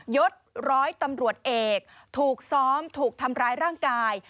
ยศร้อยตำรวจเอกถูกซ้อมถูกทำร้ายร่างกาย